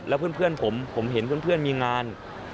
แล้วเพื่อนผมผมเห็นเพื่อนมีงาน